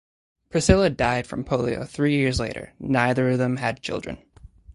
Priscilla died from polio three years later; neither of them had children.